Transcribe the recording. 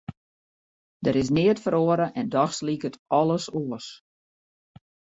Der is neat feroare en dochs liket alles oars.